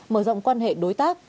mở rộng quan hệ đối tác